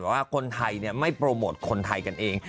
แต่ว่าคนไทยไม่โปรโมทคนไทยกันเอง